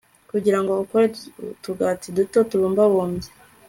Kugira ngo ukore utugati duto tubumbabumbye